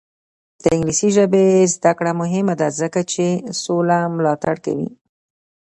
د انګلیسي ژبې زده کړه مهمه ده ځکه چې سوله ملاتړ کوي.